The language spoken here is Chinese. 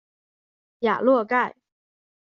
雅洛盖。